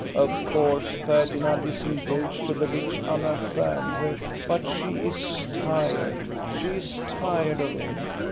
Of course Ferdinand is engaged to the rich Anna Stjarnhok; but she is tired, — she is tired of him.